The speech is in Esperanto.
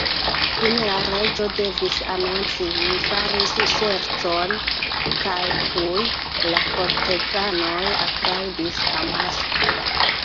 Fine la Reĝo devis anonci "Mi faris ŝercon," kajtuj la korteganoj aplaŭdis amase.